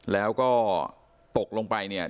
แล้วก็ตกลงไปเนี่ย